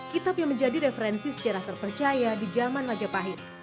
kitab yang menjadi referensi sejarah terpercaya di zaman majapahit